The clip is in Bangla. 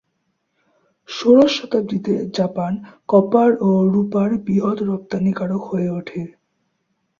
ষোড়শ শতাব্দীতে জাপান কপার ও রূপার বৃহৎ রপ্তানিকারক হয়ে ওঠে।